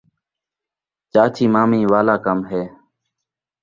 چاچی مامی والا کم ہے